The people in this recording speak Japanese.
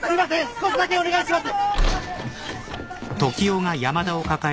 少しだけお願いします！